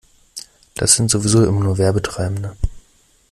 Das sind sowieso immer nur Werbetreibende.